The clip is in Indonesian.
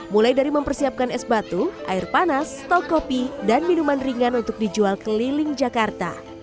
mulai dari mempersiapkan es batu air panas stok kopi dan minuman ringan untuk dijual keliling jakarta